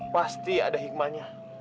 pasti ada hikmahnya